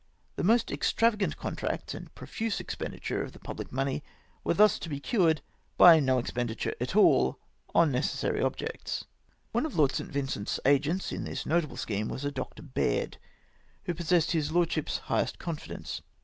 The most extravagant con tracts and profuse expenditure of the pubhc money were thus to be ciu:ed by no expenditure at all on necessary objects. One of Lord St. Vincent's agents in this notable scheme, was a Dr. Baird, who possessed his lordship's highest confidence.